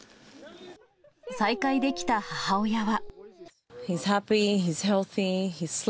再会できた母親は。